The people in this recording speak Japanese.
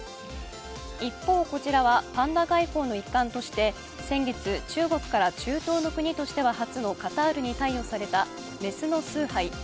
一方、こちらはパンダ外交の一環として先月、中国から中東の国としては初のカタールに貸与された雌のスーハイ。